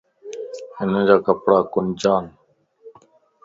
ھنجا ڪپڙا ڪنجان